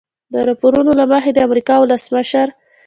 د راپورونو له مخې د امریکا ولسمشر